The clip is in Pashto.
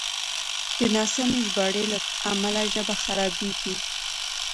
د ناسمې ژباړې له امله ژبه خرابېږي.